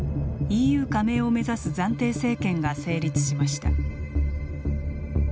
ＥＵ加盟を目指す暫定政権が成立しました。